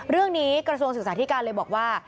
เรื่องนี้กระทรวงศึกษาธิการเลยบอกว่า